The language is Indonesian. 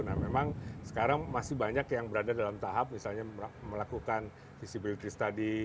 nah memang sekarang masih banyak yang berada dalam tahap misalnya melakukan visibility study